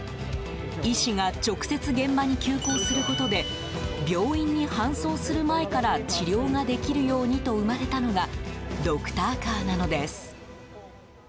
医師が直接現場に急行することで病院に搬送する前から治療ができるようにと生まれたのがドクターカーなのです。